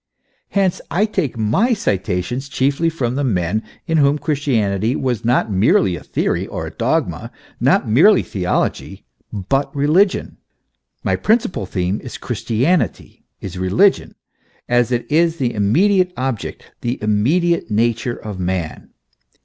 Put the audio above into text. Hence I take my citations chiefly from men in whom Christianity was not merely a theory or a dogma, not merely theology, but re ligion. My principal theme is Christianity, is Religion, as it is the immediate object, the immediate nature, of man.